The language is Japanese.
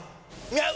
合う！！